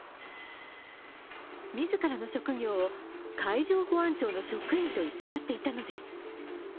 自らの職業を海上保安庁の職員と偽っていたのです。